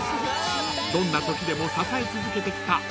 ［どんなときでも支え続けてきた］